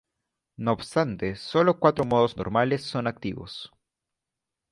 No obstante, solo cuatro modos normales son activos.